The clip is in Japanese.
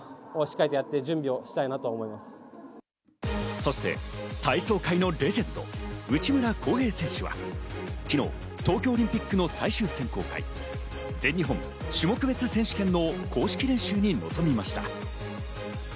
そして体操界のレジェンド・内村航平選手は昨日、東京オリンピックの最終選考会、全日本種目別選手権の公式練習に臨みました。